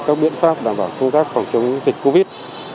các biện pháp đảm bảo công tác phòng chống dịch covid